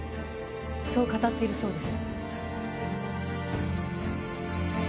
そう語っているそうです